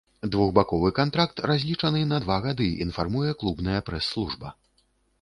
Двухбаковы кантракт разлічаны на два гады, інфармуе клубная прэс-служба.